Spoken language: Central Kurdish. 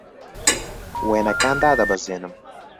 وێنەکان دادەبەزێنم.